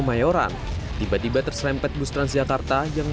dari arah sonok mahapusat jepang